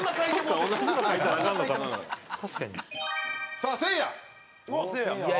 さあせいや。